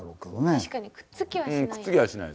確かにくっつきはしない。